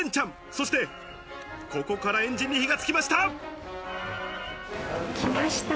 そしてここからエンジンに火がつきました。